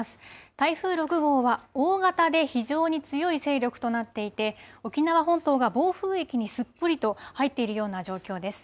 台風６号は、大型で非常に強い勢力となっていて、沖縄本島が暴風域にすっぽりと入っているような状況です。